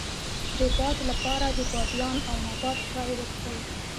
د باد لپاره د بادیان او نبات چای وڅښئ